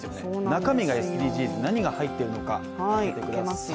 中身がＳＤＧｓ、何が入っているのか開けてください。